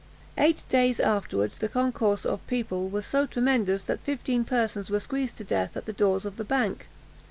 Eight days afterwards the concourse of people was so tremendous that fifteen persons were squeezed to death at the doors of the bank.